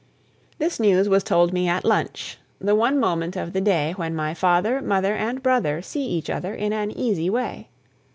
This news was told me at lunch, the one moment of the day when my father, mother, and brother see each other in an easy way.